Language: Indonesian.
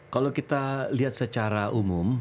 kalau kita lihat secara umum